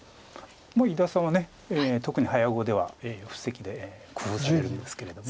もう伊田さんは特に早碁では布石で工夫されるんですけれども。